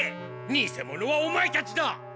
にせ者はオマエたちだ！